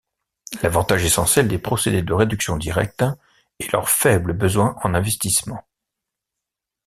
L'avantage essentiel des procédés de réduction directe est leur plus faible besoin en investissement.